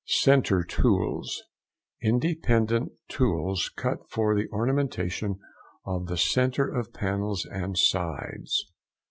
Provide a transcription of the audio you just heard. CENTRE TOOLS.—Independent tools cut for the ornamentation of the centre of panels and sides.